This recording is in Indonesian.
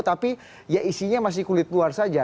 tapi ya isinya masih kulit luar saja